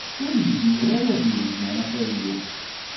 Ur yezmir ara a d-ildi afaylu.